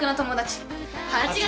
８月